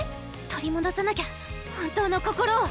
取りもどさなきゃ本当の心を